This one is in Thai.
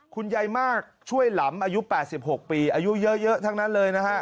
คุณยายมากช่วยหลำอายุ๘๖ปีอายุเยอะทั้งนั้นเลยนะฮะ